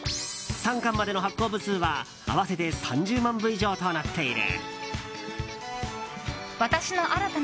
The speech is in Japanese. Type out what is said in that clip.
３巻までの発行部数は、合わせて３０万部以上となっている。